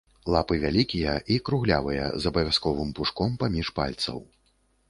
Лапы вялікія і круглявыя, з абавязковым пушком паміж пальцаў.